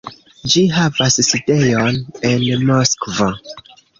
Ĝi havas sidejon en Moskvo.